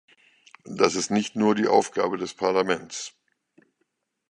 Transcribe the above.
Das ist nicht nur die Aufgabe des Parlaments.